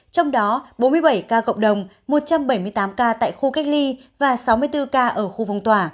trong đó bốn mươi bảy ca cộng đồng một trăm bảy mươi tám ca tại khu cách ly và sáu mươi bốn ca ở khu vùng tòa